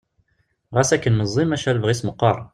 Ɣas akken meẓẓi maca lebɣi-s meqqar.